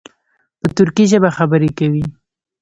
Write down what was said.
په ترکي ژبه خبرې کوي.